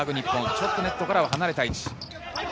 ちょっとネットからは離れた位置。